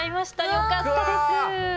よかったです。